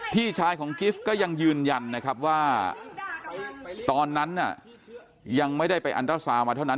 พี่ชายของกิฟต์ก็ยังยืนยันนะครับว่าตอนนั้นน่ะยังไม่ได้ไปอันตราซามาเท่านั้น